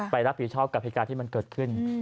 รับผิดชอบกับเหตุการณ์ที่มันเกิดขึ้น